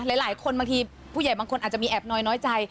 หลายคนบางทีผู้ใหญ่บางคนอาจจะมีแอบน้อยใจ